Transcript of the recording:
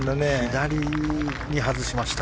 左に外しました。